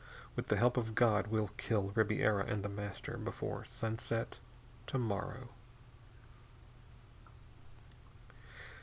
With the help of God, we'll kill Ribiera and The Master before sunset to morrow."